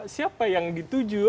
siapa yang dituju